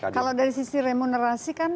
kalau dari sisi remunerasi kan